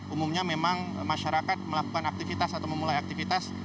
umumnya memang masyarakat melakukan aktivitas atau memulai aktivitas